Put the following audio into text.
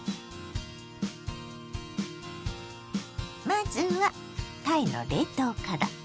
まずはたいの冷凍から。